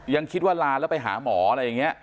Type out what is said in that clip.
ยังคิดว่าลาแล้วไปหาหมออะไรอย่างนี้